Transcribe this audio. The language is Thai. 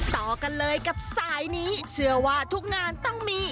ต่อกันเลยกับสายนี้เชื่อว่าทุกงานต้องมี